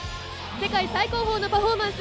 世界最高峰のパフォーマンス